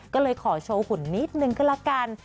ก็เลยขอโชว์หุ่นนิดนึงก็ละกัน